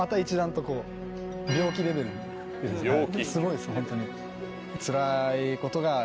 すごいですホントに。